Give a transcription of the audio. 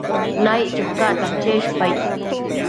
Naiccho cacta cheshpaid